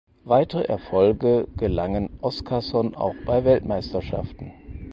Weitere Erfolge gelangen Oscarsson auch bei Weltmeisterschaften.